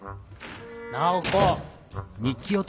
ナオコ。